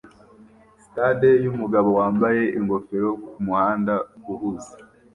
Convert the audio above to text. Sitade yumugabo wambaye ingofero kumuhanda uhuze